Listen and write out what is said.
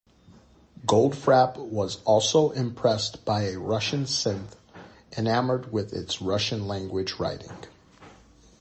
Goldfrapp was also impressed by a Russian synth, enamored with its Russian-language writing.